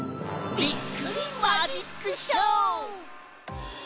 びっくりマジックショー！